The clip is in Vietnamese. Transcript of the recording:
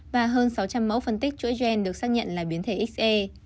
và hơn sáu trăm linh mẫu phân tích chuỗi gen được xác nhận là biến thể xê